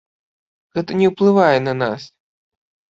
Гэта не ўплывае на нас.